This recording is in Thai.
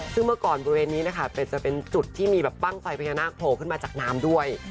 ซึ่งเมื่อก่อนบริเวณนี้นะคะจะเป็นจุดที่มีแบบบ้างไฟพญานาคโผล่ขึ้นมาจากน้ำด้วย